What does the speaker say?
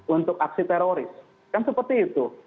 untuk aksi teroris kan seperti itu